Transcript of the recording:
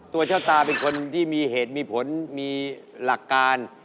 เจ้าตาเป็นคนที่มีเหตุมีผลมีหลักการ